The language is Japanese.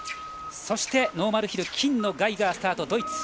そしてノーマルヒル金のドイツ、ガイガーもスタート。